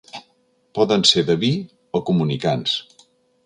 Poden ser de vi o comunicants.